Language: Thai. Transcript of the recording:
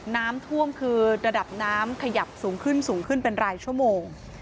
น้ำท่วมคือระดับน้ำขยับสูงขึ้นสูงขึ้นเป็นรายชั่วโมง